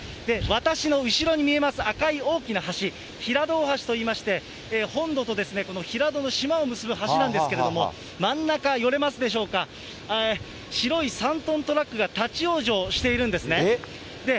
私の後ろに見えます、赤い大きな橋、平戸大橋といいまして、本土とこの平戸の島を結ぶ橋なんですけれども、真ん中、寄れますでしょうか、白い３トントラックが立往生しているんですね。